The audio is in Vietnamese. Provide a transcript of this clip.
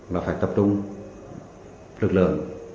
là phải tập trung lực lượng